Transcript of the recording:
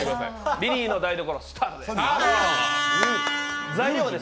リリーの台所スタートです！